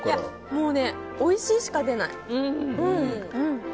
もう、おいしいしか出ない。